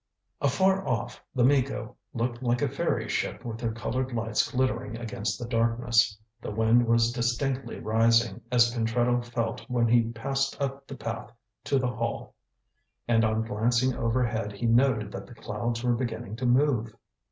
Afar off, The Miko looked like a fairy ship with her coloured lights glittering against the darkness. The wind was distinctly rising, as Pentreddle felt when he passed up the path to the Hall, and on glancing overhead he noted that the clouds were beginning to move.